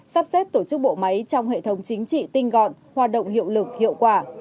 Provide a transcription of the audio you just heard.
sắp xếp tổ chức bộ máy trong hệ thống chính trị tinh gọn hoạt động hiệu lực hiệu quả